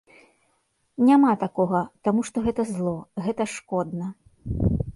Няма такога, таму што гэта зло, гэта шкодна.